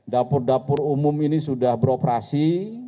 dapur dapur umum ini sudah beroperasi